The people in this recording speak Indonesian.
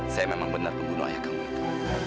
saya memang benar membunuh ayah kamu itu